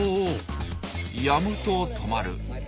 やむと止まる。